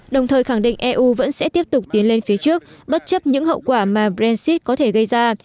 đồng thời khẳng định eu vẫn sẽ tiếp tục tiến lên phía trước bất chấp những hậu quả mà brexit có thể gây ra